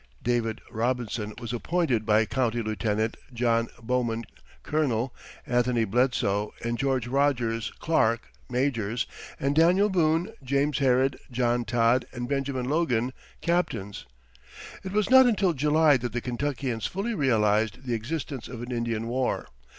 David Robinson was appointed county lieutenant, John Bowman colonel, Anthony Bledsoe and George Rogers Clark majors, and Daniel Boone, James Harrod, John Todd, and Benjamin Logan captains. It was not until July that the Kentuckians fully realized the existence of an Indian war.